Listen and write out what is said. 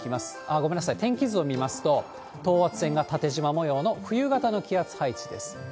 ごめんなさい、天気図を見ますと、等圧線が縦じま模様の冬型の気圧配置です。